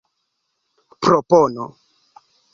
propono